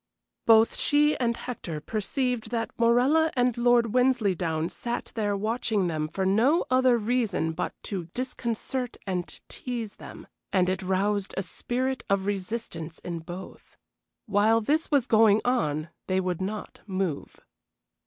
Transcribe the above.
Both she and Hector perceived that Morella and Lord Wensleydown sat there watching them for no other reason but to disconcert and tease them, and it roused a spirit of resistance in both. While this was going on they would not move.